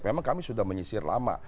memang kami sudah menyisir lama